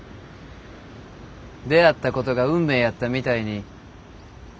出会ったことが運命やったみたいに。